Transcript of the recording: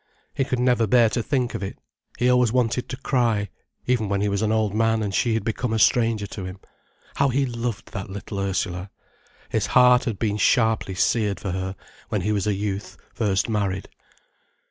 He could never bear to think of it, he always wanted to cry, even when he was an old man and she had become a stranger to him. How he loved that little Ursula!—his heart had been sharply seared for her, when he was a youth, first married.